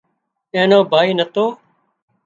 اين نو ڀائي نتو